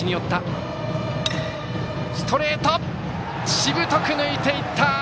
しぶとく抜いていった！